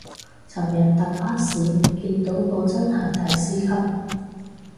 尋日搭巴士見到個真係大師級